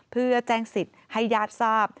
เพื่อแจ้งสิทธิ์ให้ญาติทราบ